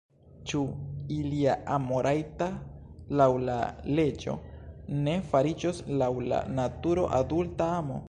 Ĉu ilia amo, rajta laŭ la leĝo, ne fariĝos laŭ la naturo adulta amo?